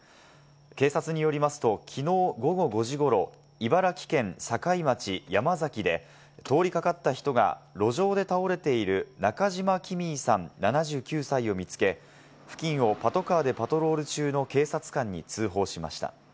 警察によりますと、きのう午後５時ごろ、茨城県境町山崎で通りかかった人が路上で倒れている中島きみいさん、７９歳を見つけ、付近をパトカーでパトロール中の警察官に通報しました。